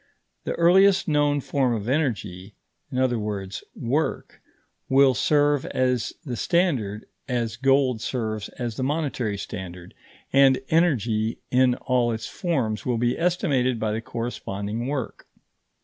The earliest known form of energy, i.e. work, will serve as the standard as gold serves as the monetary standard, and energy in all its forms will be estimated by the corresponding work.